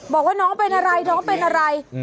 บอกว่าน้องเป็นอะไรน้องเป็นอะไร